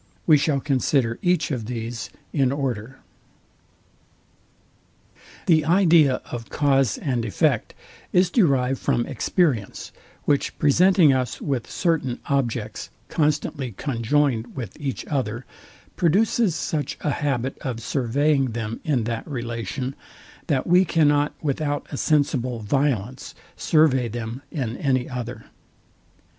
We shall consider each of these in order. The idea of cause and effect is derived from experience, which presenting us with certain objects constantly conjoined with each other, produces such a habit of surveying them in that relation, that we cannot without a sensible violence survey them iii any other.